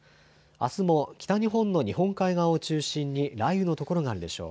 あすも北日本の日本海側を中心に雷雨の所があるでしょう。